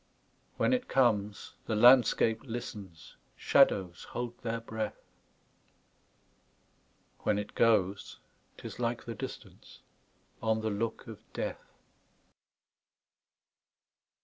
When it comes, the landscape listens, Shadows hold their breath; When it goes, 't is like the distanceOn the look of death.